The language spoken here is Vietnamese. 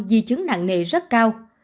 di chứng nặng nề rất cao